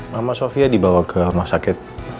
mama sofia dibawa ke rumah sakit